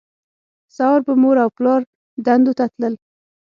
سهار به مور او پلار دندو ته تلل